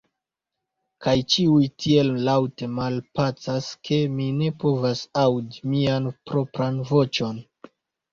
Kaj ĉiuj tiel laŭte malpacas, ke mi ne povas aŭdi mian propran voĉon.